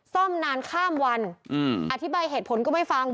ซ่อมนานข้ามวันอธิบายเหตุผลก็ไม่ฟัง